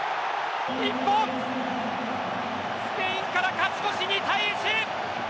日本、スペインから勝ち越し、２対１！